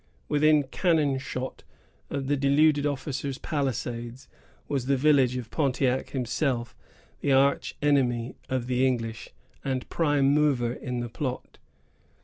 Within cannon shot of the deluded officer's palisades, was the village of Pontiac himself, the arch enemy of the English, and prime mover in the plot.